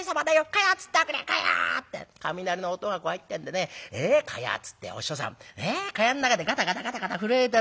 蚊帳をつっておくれ蚊帳を』って雷の音が怖いってんでね蚊帳をつってお師匠さん蚊帳の中でガタガタガタガタ震えてる。